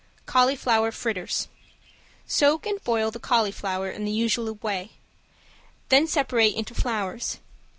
~CAULIFLOWER FRITTERS~ Soak and boil the cauliflower in the usual way, then separate into flowers.